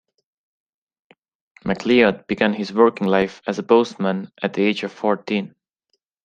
McLeod began his working life as a postman at the age of fourteen.